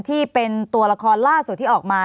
ที่เป็นตัวละครล่าสุดที่ออกมา